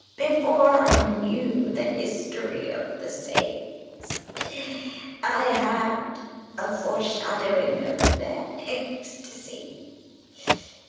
Before I knew the history of the saints, I had a foreshadowing of their ecstasy.